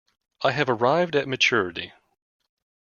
I have arrived at maturity.